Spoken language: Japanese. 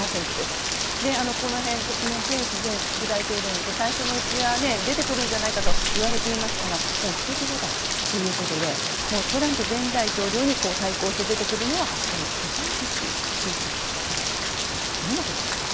この辺、ペンス前副大統領なんて最初のうちは出てくるんじゃないかと言われていましたが１桁台ということでトランプ前大統領に対抗して出てくるのはこのデサンティス州知事ではないかということです。